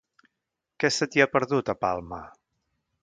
Què se t'hi ha perdut, a Palma?